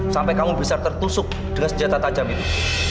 sampai kamu bisa tertusuk dengan senjata tajam itu